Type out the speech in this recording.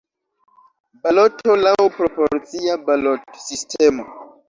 Baloto laŭ proporcia balotsistemo.